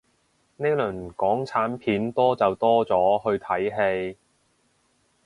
呢輪港產片多就多咗去睇戲